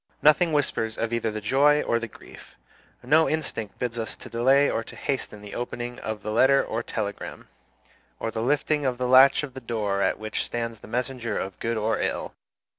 Nothing whispers of either the joy or the grief. No instinct bids us to delay or to hasten the opening of the letter or telegram, or the lifting of the latch of the door at which stands the messenger of good or ill.